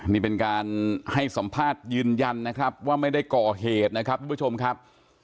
นี่เป็นการให้สัมภาษณ์ยืนยันนะครับว่าไม่ได้ก่อเหตุนะครับทุกผู้ชมครับ